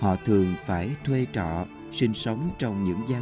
họ thường phải thuê trọ sinh sống trong những khu công nghiệp này